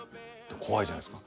怖いじゃないですか。